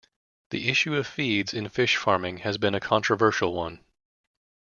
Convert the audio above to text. The issue of feeds in fish farming has been a controversial one.